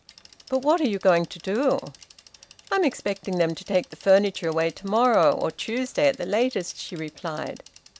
"But what are you going to do?" "I'm expecting them to take the furniture away to morrow, or Tuesday at the latest," she replied.